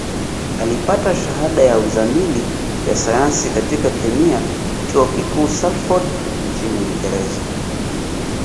Alipata Shahada ya Uzamili ya Sayansi katika Kemia Chuo Kikuu Salford nchini Uingereza